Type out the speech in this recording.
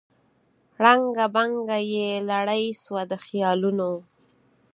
ړنګه بنګه یې لړۍ سوه د خیالونو